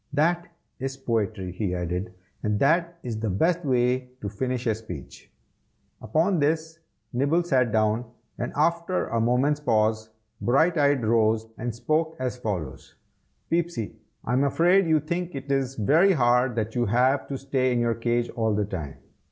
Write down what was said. "That is poetry," he added, "and that is the best way to finish a speech." Upon this Nibble sat down, and after a moment's pause, Brighteyes rose, and spoke as follows: "Peepsy, I am afraid you think it is very hard that you have to stay in your cage all the time.